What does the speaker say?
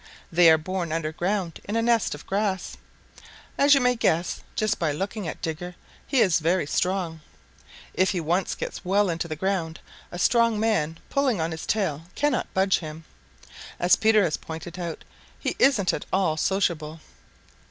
They are born under ground in a nest of grass. As you may guess just by looking at Digger, he is very strong. If he once gets well into the ground, a strong man pulling on his tail cannot budge him. As Peter has pointed out, he isn't at all sociable.